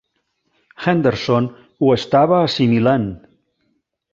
Henderson ho estava assimilant.